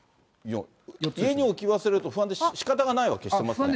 家に置き忘れると不安でしかたがないは消してますね。